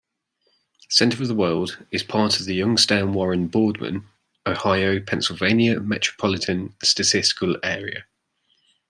Center of the World is part of the Youngstown-Warren-Boardman, Ohio-Pennsylvania Metropolitan Statistical Area.